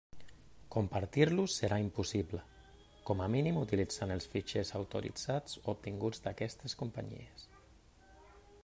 Compartir-los serà impossible, com a mínim utilitzant els fitxers autoritzats obtinguts d'aquestes companyies.